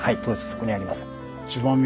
そこにあります。